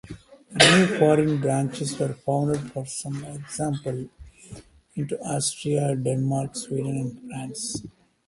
The new foreign branches were founded for example into Austria, Denmark, Sweden and France.